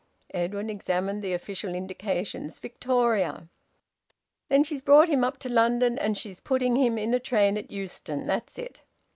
Edwin examined the official indications: "Victoria." "Then she's brought him up to London, and she's putting him in a train at Euston. That's it."